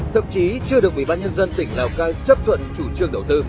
thậm chí chưa được ủy ban nhân dân tỉnh lào cai chấp thuận chủ trương đầu tư